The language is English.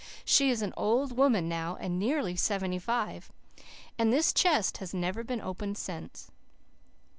She is an old woman now nearly seventy five. And this chest has never been opened since."